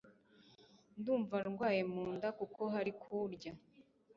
Ndumva ndwaye munda kuko hari kurya.